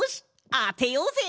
あてようぜ！